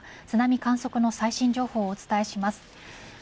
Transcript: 津波観測の最新情報をお伝えします。